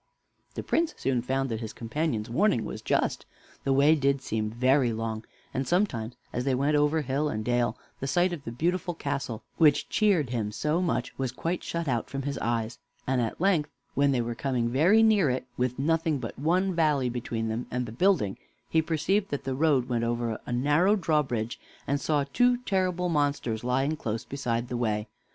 The Prince soon found that his companion's warning was just. The way did seem very long; and sometimes, as they went over hill and dale, the sight of the beautiful castle, which cheered him so much, was quite shut out from his eyes, and at length, when they were coming very near it, with nothing but one valley between them and the building, he perceived that the road went over a narrow drawbridge, and saw two terrible monsters lying close beside the way.